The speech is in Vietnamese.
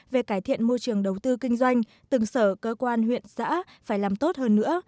về cải thiện môi trường đầu tư kinh doanh từng sở cơ quan huyện xã phải làm tốt hơn nữa